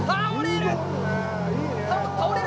倒れる！